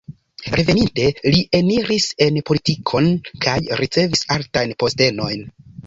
Reveninte, li eniris en politikon kaj ricevis altajn postenojn.